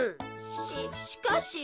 ししかし。